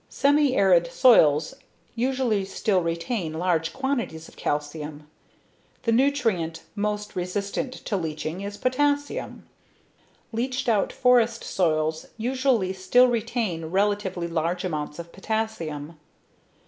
Semi arid soils usually still retain large quantities of calcium. The nutrient most resistant to leaching is potassium. Leached out forest soils usually still retain relatively large amounts of potassium.